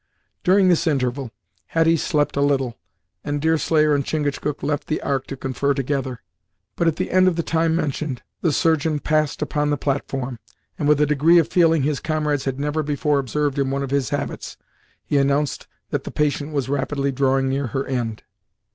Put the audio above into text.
During this interval Hetty slept a little, and Deerslayer and Chingachgook left the Ark to confer together. But, at the end of the time mentioned, the Surgeon passed upon the platform, and with a degree of feeling his comrades had never before observed in one of his habits, he announced that the patient was rapidly drawing near her end.